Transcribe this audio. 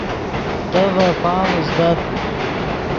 تے ڤے پام اوزدت